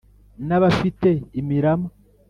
N’abafite imirama*,